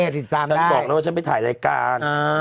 ติดตามได้ฉันบอกแล้วว่าฉันไปถ่ายรายการ